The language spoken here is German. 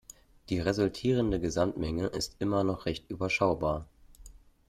Die resultierende Gesamtmenge ist immer noch recht überschaubar.